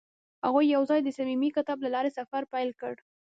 هغوی یوځای د صمیمي کتاب له لارې سفر پیل کړ.